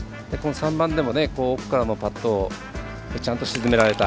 ３番でも奥からのパットをちゃんと沈められた。